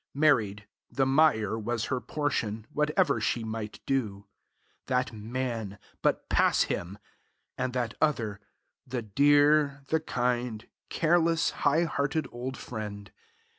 Married, the mire was her portion, whatever she might do. That man but pass him! And that other the dear, the kind, careless, high hearted old friend.